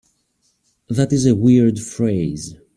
That is a weird phrase.